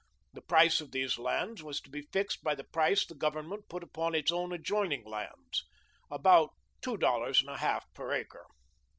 The price of these lands was to be fixed by the price the government put upon its own adjoining lands about two dollars and a half per acre.